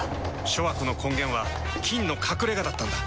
諸悪の根源は「菌の隠れ家」だったんだ。